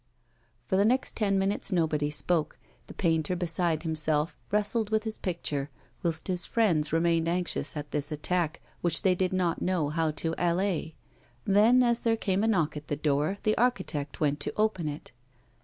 For the next ten minutes nobody spoke; the painter, beside himself, wrestled with his picture, whilst his friends remained anxious at this attack, which they did not know how to allay. Then, as there came a knock at the door, the architect went to open it.